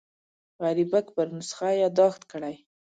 غریبک پر نسخه یاداښت کړی.